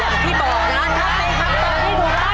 อย่างที่บอกนะทำไมครับ